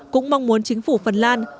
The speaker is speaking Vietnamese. cũng mong muốn chính phủ phần lan